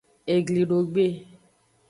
Eglidogbe.